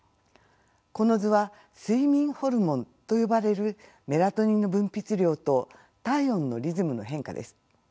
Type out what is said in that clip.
この図は睡眠ホルモンと呼ばれるメラトニンの分泌量と体温のリズムの変化です。